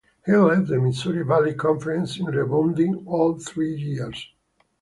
He led the Missouri Valley Conference in rebounding all three years.